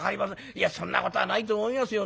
いやそんなことはないと思いますよ。